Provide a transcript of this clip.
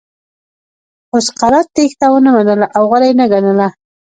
خو سقراط تېښته ونه منله او غوره یې نه ګڼله.